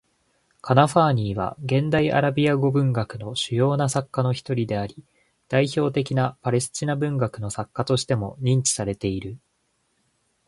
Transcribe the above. カナファーニーは、現代アラビア語文学の主要な作家の一人であり、代表的なパレスチナ文学の作家としても認知されている。